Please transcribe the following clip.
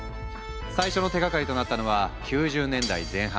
最初の手がかりとなったのは９０年代前半